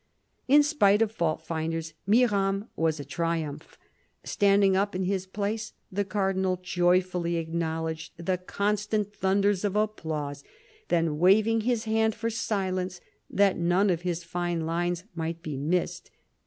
In spite of fault finders Mirame was a triumph. Stand ing up in his place, the Cardinal joyfully acknowledged the constant thunders of applause, then waving his hand for silence, that none of his fine lines might be missed.